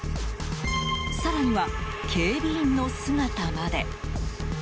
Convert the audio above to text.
更には、警備員の姿まで。